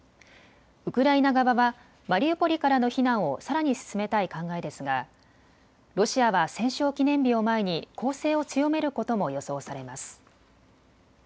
ウクライナ側はマリウポリからの避難をさらに進めたい考えですがロシアは戦勝記念日を前に攻勢を強めることも予想されます。